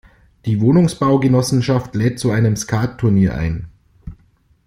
Die Wohnungsbaugenossenschaft lädt zu einem Skattunier ein.